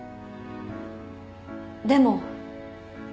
でも。